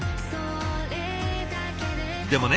でもね